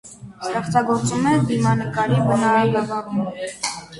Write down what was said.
Ստեղծագործում է դիմանկարի բնագավառում։